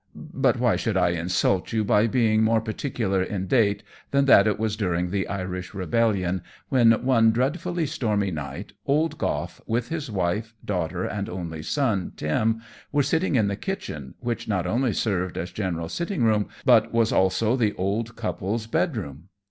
But why should I insult you by being more particular in date than that it was during the Irish rebellion, when, one dreadfully stormy night, old Goff, with his wife, daughter, and only son, Tim, were sitting in the kitchen, which not only served as general sitting room, but was also the old couple's bed room?